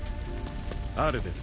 アルベル。